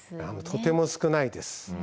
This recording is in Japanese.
とても少ないです。